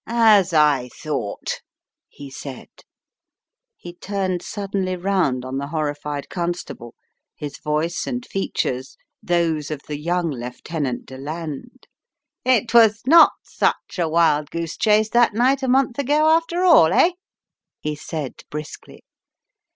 "As I thought," he said. He turned suddenly round on the horrified constable, his voice and fea tures those of the young Lieutenant Deland. "It was not such a wild goose chase that night a month ago, after all, eh?" he said briskly.